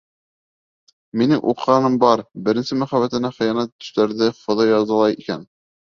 Минең уҡығаным бар: беренсе мөхәббәтенә хыянат итеүселәрҙе Хоҙай язалай икән.